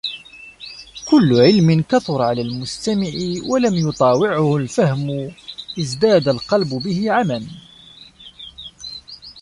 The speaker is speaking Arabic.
كُلُّ عِلْمٍ كَثُرَ عَلَى الْمُسْتَمِعِ وَلَمْ يُطَاوِعْهُ الْفَهْمُ ازْدَادَ الْقَلْبُ بِهِ عَمًى